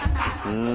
うん。